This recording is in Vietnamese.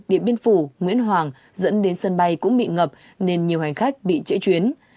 điện biên phủ nguyễn hoàng dẫn đến sân bay cũng bị ngập nên nhiều hành khách bị trễ chuyến